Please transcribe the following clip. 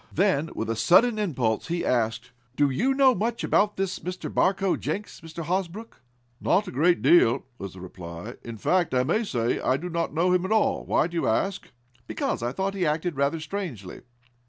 Then, with a sudden impulse, he asked: "Do you know much about this Mr. Barcoe Jenks, Mr. Hosbrook?" "Not a great deal," was the reply. "In fact, I may say I do not know him at all. Why do you ask?" "Because I thought he acted rather strangely."